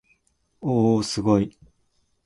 おおおすごい